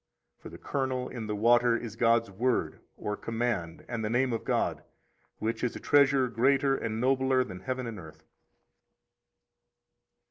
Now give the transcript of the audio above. For the kernel in the water is God's Word or command and the name of God, which is a treasure greater and nobler than heaven and earth.